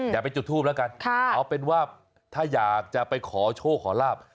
อย่าไปจุดทูปแล้วกันเอาเป็นว่าถ้าอยากจะไปขอโชคขอลาบ